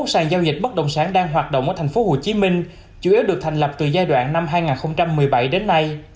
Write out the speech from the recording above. sáu mươi sàn giao dịch bất động sản đang hoạt động ở tp hcm chủ yếu được thành lập từ giai đoạn năm hai nghìn một mươi bảy đến nay